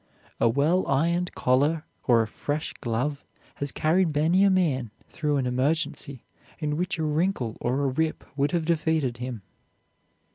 A well ironed collar or a fresh glove has carried many a man through an emergency in which a wrinkle or a rip would have defeated him."